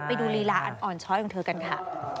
ไปดูลีลาอันอ่อนช้อยของเธอกันค่ะ